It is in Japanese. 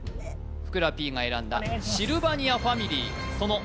ふくらＰが選んだシルバニアファミリーお願いします